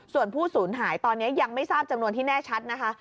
ส่วนผู้สูญหายตอนนี้ยังไม่ทราบจำนวนที่แน่ชัดนะคะ